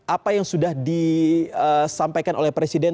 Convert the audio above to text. apa yang sudah disampaikan oleh presiden